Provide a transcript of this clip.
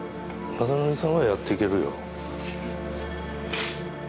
雅紀さんはやっていけるよ。